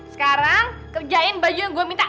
sekarang kerjain baju yang gue minta